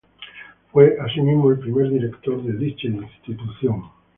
Fue, asimismo, el primer director de dicha institución.